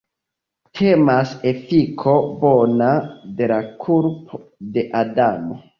Temas efiko bona de la kulpo de Adamo.